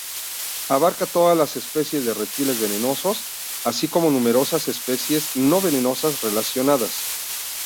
Abarca todas las especies de reptiles venenosos, así como numerosas especies no venenosas relacionadas.